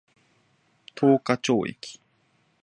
十日町駅